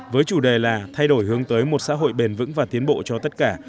với chủ đề là thay đổi hướng tới một xã hội bền vững và tiến bộ cho tất cả